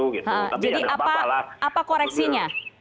jadi apa koreksinya